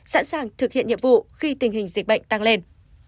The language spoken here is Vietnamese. sẵn sàng thực hiện nhiệm vụ khi tình hình dịch bệnh tăng lên